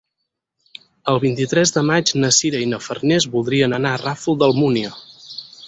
El vint-i-tres de maig na Sira i na Farners voldrien anar al Ràfol d'Almúnia.